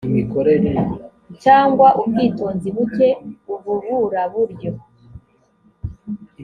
cyangwa ubwitonzi buke ububuraburyo